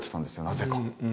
なぜか。